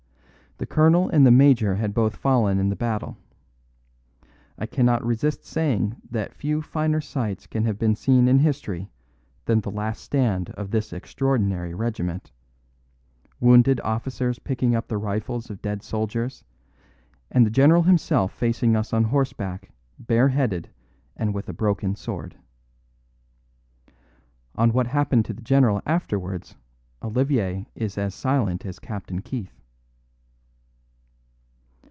The colonel and the major had both fallen in the battle. I cannot resist saying that few finer sights can have been seen in history than the last stand of this extraordinary regiment; wounded officers picking up the rifles of dead soldiers, and the general himself facing us on horseback bareheaded and with a broken sword.' On what happened to the general afterwards Olivier is as silent as Captain Keith."